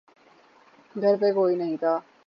گھر پے کوئی نہیں تھا۔